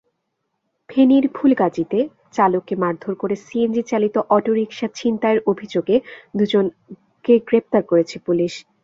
ফেনীর ফুলগাজীতে চালককে মারধর করে সিএনজিচালিত অটোরিকশা ছিনতাইয়ের অভিযোগে দুজনকে গ্রেপ্তার করেছে পুলিশ।